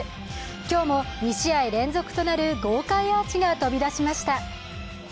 今日も２試合連続となる豪快アーチが飛び出しました。